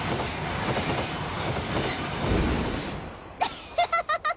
アハハハ！